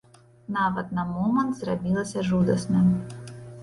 Нават на момант зрабілася жудасна.